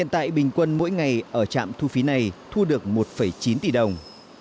tại bình quân mỗi ngày ở chạm thu phí này thu được một chín tỷ đồng